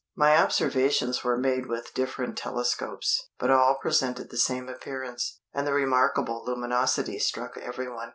My observations were made with different telescopes, but all presented the same appearance, and the remarkable luminosity struck everyone.